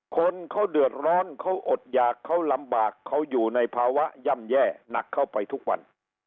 คนเขาเดือดร้อนเขาอดหยากเขาลำบากเขาอยู่ในภาวะย่ำแย่หนักเข้าไปทุกวัน